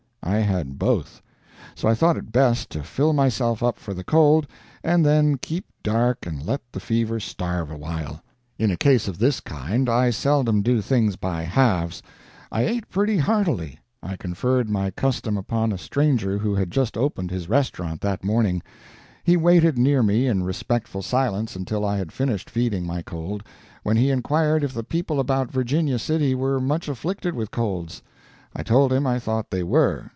I had both. So I thought it best to fill myself up for the cold, and then keep dark and let the fever starve awhile. In a case of this kind, I seldom do things by halves; I ate pretty heartily; I conferred my custom upon a stranger who had just opened his restaurant that morning; he waited near me in respectful silence until I had finished feeding my cold, when he inquired if the people about Virginia City were much afflicted with colds? I told him I thought they were.